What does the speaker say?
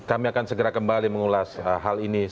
kami akan segera kembali mengulas hal ini